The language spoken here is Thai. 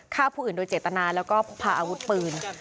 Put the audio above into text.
ฆ่าผู้อื่นโดยเจตนาแล้วก็พกพาอาวุธปืน